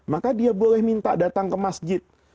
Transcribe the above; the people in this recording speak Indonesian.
maka dia boleh minta datang ke masjid